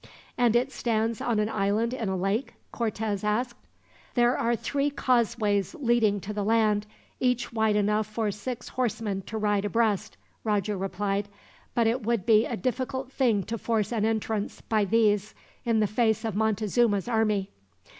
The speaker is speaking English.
"And it stands on an island in a lake?" Cortez asked. "There are three causeways leading to the land, each wide enough for six horsemen to ride abreast," Roger replied; "but it would be a difficult thing to force an entrance, by these, in the face of Montezuma's army."